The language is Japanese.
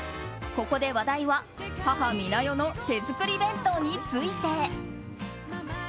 ここで話題は母・美奈代の手作り弁当について。